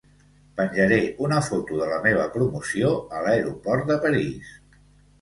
Penjaré una foto de la meva promoció a l'aeroport de París.